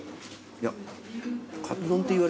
いや。